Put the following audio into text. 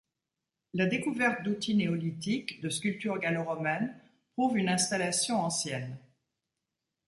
La découverte d’outils néolithiques, de sculptures gallo-romaines prouve une installation ancienne.